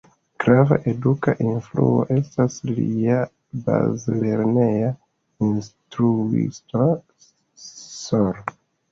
Grava eduka influo estis lia bazlerneja instruisto Sro.